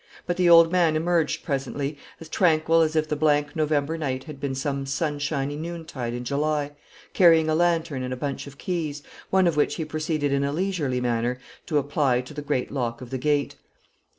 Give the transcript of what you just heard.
But the old man emerged presently, as tranquil as if the blank November night had been some sunshiny noontide in July, carrying a lantern and a bunch of keys, one of which he proceeded in a leisurely manner to apply to the great lock of the gate.